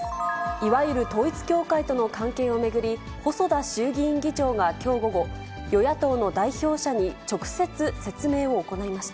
いわゆる統一教会との関係を巡り、細田衆議院議長がきょう午後、与野党の代表者に直接説明を行いました。